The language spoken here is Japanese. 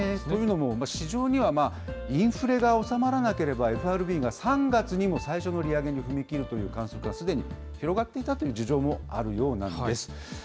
というのも、市場にはインフレが収まらなければ、ＦＲＢが３月にも最初の利上げに踏み切るという観測が、すでに広がっていたという事情もあるようなんです。